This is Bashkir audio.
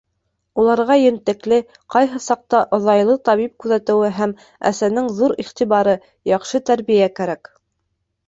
Уларға ентекле, ҡайһы саҡта оҙайлы табип күҙәтеүе һәм әсәнең ҙур иғтибары, яҡшы тәрбиә кәрәк.